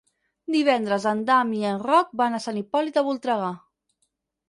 Divendres en Dan i en Roc van a Sant Hipòlit de Voltregà.